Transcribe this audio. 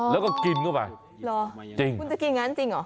แล้วก็กินเข้าไปจริงค่ะโอ้โหหรือคุณจะกินงั้นจริงหรือ